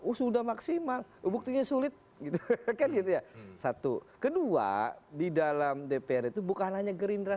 oh sudah maksimal buktinya sulit gitu kan gitu ya satu kedua di dalam dpr itu bukan hanya gerindra